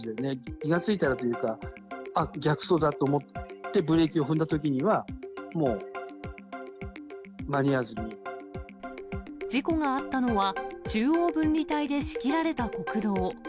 気が付いたらというか、あっ、逆走だと思って、ブレーキを踏ん事故があったのは、中央分離帯で仕切られた国道。